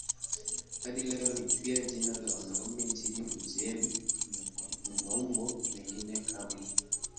Hadi leo ni pia jina la wanaume nchini Uajemi na kwa maumbo mengine kama